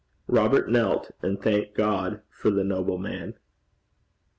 Robert knelt and thanked God for the noble man.